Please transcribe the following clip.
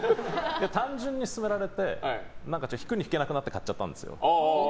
単純に勧められて引くに引けなくなって買ったんですよ。